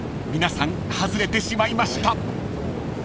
［皆さん外れてしまいました］